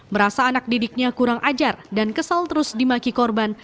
merasa anak didiknya kurang ajar dan kesal terus dimaki korban